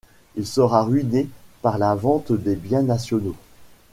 Il sera ruiné par la vente des biens nationaux.